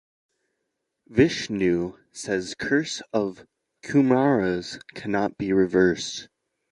Vishnu says curse of Kumaras cannot be reversed.